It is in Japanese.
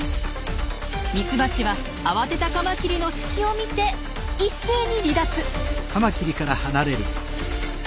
ミツバチは慌てたカマキリの隙を見て一斉に離脱。